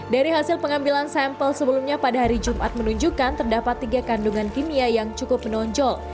dari hasil pengambilan sampel sebelumnya pada hari jumat menunjukkan terdapat tiga kandungan kimia yang cukup menonjol